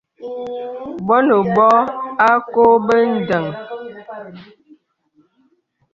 Bɔ̄ nə bɔ̄ à kɔ̄ɔ̄ bə̀ ndəŋ.